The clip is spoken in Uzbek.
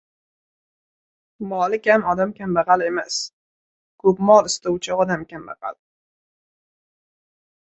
• Moli kam odam kambag‘al emas, ko‘p mol istovchi odam kambag‘al.